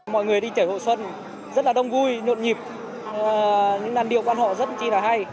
mọi người đi trải hội xuân rất là đông vui nộn nhịp những làn điều văn hóa rất là hay